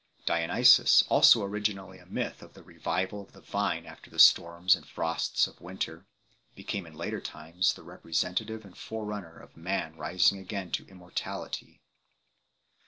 Dionysus also, originally a myth of the revival of the vine after the storms and frosts of winter, became in later times the representative and forerunner of man rising again to immortality 8